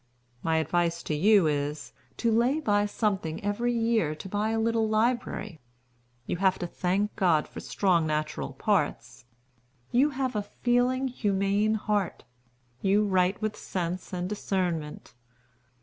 My advice to you is, to lay by something every year to buy a little library. You have to thank God for strong natural parts; you have a feeling, humane heart; you write with sense and discernment.